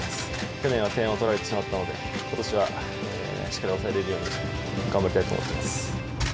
去年は点を取られてしまったので、ことしはしっかり抑えられるように頑張りたいと思っています。